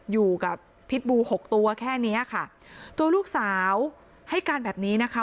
อยู่กับพิษบูหกตัวแค่เนี้ยค่ะตัวลูกสาวให้การแบบนี้นะคะ